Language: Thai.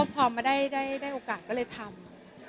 พอมาได้โอกาสก็เลยทำ